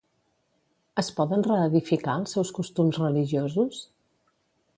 Es poden reedificar els seus costums religiosos?